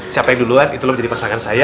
siapa yang duluan itulah menjadi pasangan saya